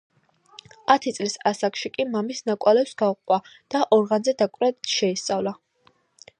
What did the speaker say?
ათი წლის ასაკში კი მამის ნაკვალევს გაჰყვა და ორღანზე დაკვრა შეისწავლა.